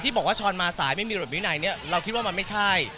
ถ้าช้อนมาสายไม่มีหรือไม่มีไหนเนี่ยเราคิดว่ามันไม่ใช่